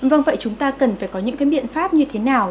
vâng vậy chúng ta cần phải có những cái biện pháp như thế nào